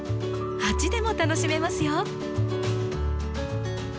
鉢でも楽しめますよ。